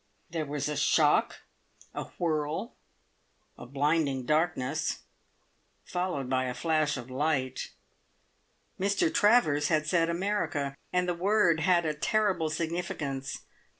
There was a shock, a whirl, a blinding darkness, followed by a flash of light. Mr Travers had said "America," and the word had a terrible significance.